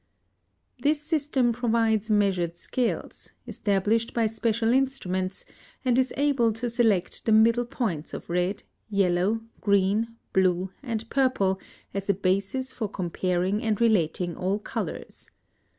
This system provides measured scales, established by special instruments, and is able to select the middle points of red, yellow, green, blue, and purple as a basis for comparing and relating all colors.